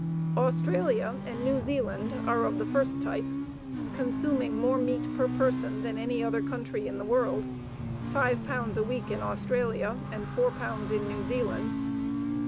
Australia and New Zealand are of the first type, consuming more meat per person than any other country in the world 5 pounds a week in Australia and 4 pounds in New Zealand.